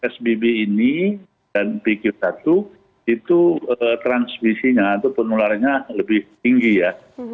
sbb ini dan pq satu itu transmisinya atau penularannya lebih tinggi ya